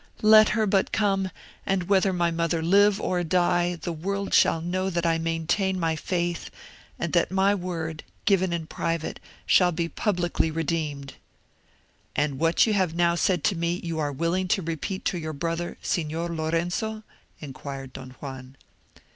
Let her but come, and whether my mother live or die, the world shall know that I maintain my faith, and that my word, given in private, shall be publicly redeemed." "And what you have now said to me you are willing to repeat to your brother, Signor Lorenzo?" inquired Don Juan.